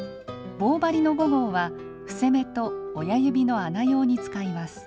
棒針の５号は伏せ目と親指の穴用に使います。